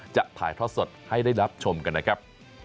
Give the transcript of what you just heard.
จะถ่ายทอดสดให้ได้รับชมกันนะครับ